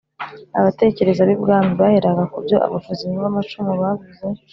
Abatekereza b’i bwami baheraga ku byo abavuzi b’amacumu bavuze